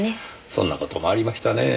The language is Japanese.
そんな事もありましたねぇ。